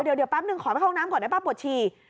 เดี๋ยวแป๊บหนึ่งขอเข้าห้องน้ำก่อนนะป้าบทรีย์